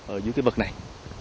ở dưới cái bậc này